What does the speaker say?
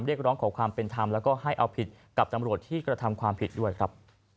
เรียกร้องขอความเป็นธรรมแล้วก็ให้เอาผิดกับตำรวจที่กระทำความผิดด้วยครับ